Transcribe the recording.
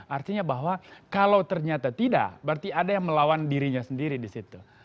artinya bahwa kalau ternyata tidak berarti ada yang melawan dirinya sendiri di situ